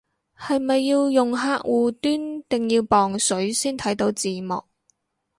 係咪要用客戶端定要磅水先睇到字幕